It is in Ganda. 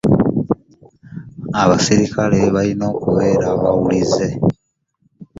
abaserikale balina okubeera abawulize.